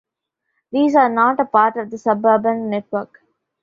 These are not a part of the suburban network.